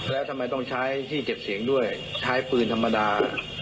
แล้วทำไมต้องใช้ที่เก็บเสียงด้วยใช้ปืนธรรมดา